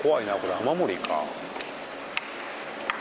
雨漏りか。